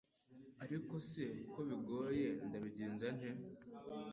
ariko c kobigoye ndabigenza nte